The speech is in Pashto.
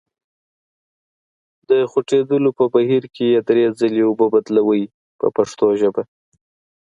د خوټېدلو په بهیر کې یې درې ځلې اوبه بدلوئ په پښتو ژبه.